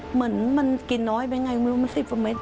เหมือนกินน้อยไปอย่างไรไม่รู้มัน๑๐เฟอร์เมตร